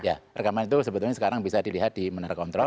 ya rekaman itu sebetulnya sekarang bisa dilihat di menara kontrol